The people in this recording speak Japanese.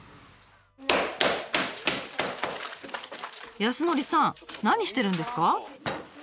康典さん何してるんですか？